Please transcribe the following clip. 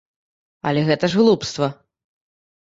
Але гэта ж глупства.